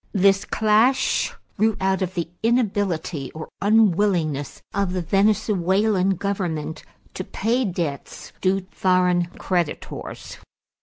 This clash grew out of the inability or unwillingness of the Venezuelan government to pay debts due foreign creditors.